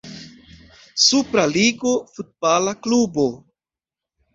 Supra Ligo futbala klubo.